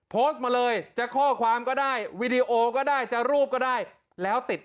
โพสต์มาเลยจะข้อความก็ได้วีดีโอก็ได้จะรูปก็ได้แล้วติด